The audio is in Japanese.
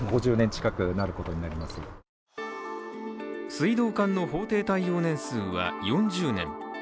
水道管の法定耐用年数は４０年。